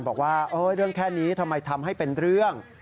บอกว่าเรื่องแค่นี้ทำไมทำให้เป็นเรื่อง